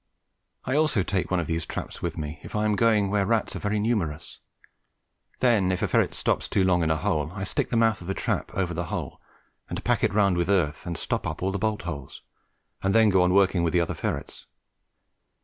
I also take one of these traps with me if I am going where rats are very numerous; then, if a ferret stops too long in a hole, I stick the mouth of the trap over the hole and pack it round with earth and stop up all the bolt holes, and then go on working with the other ferrets.